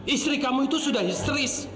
istri kamu itu sudah histeris